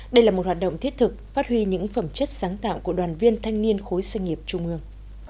đây là một hoạt động thiết thực phát huy những phẩm chất sáng tạo của đoàn viên thanh niên khối doanh nghiệp trung ương